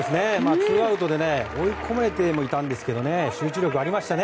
ツーアウトで追い込まれてもいたんですけど集中力がありましたね。